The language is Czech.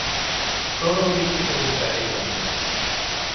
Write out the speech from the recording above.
Chronologicky celou sérii začíná.